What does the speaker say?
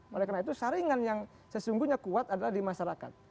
mereka itu saringan yang sesungguhnya kuat adalah di masyarakat